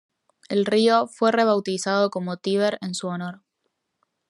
El río fue rebautizado como Tíber en su honor.